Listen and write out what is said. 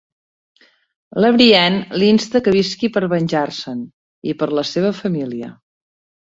La Brienne l'insta que visqui per venjar-se'n i per la seva família.